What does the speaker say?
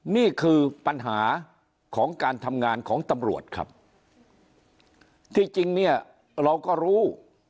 นี่คือปัญหาของการทำงานของตำรวจครับที่จริงเนี่ยเราก็รู้